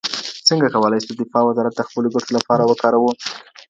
څنګه کولای سو دفاع وزارت د خپلو ګټو لپاره وکاروو؟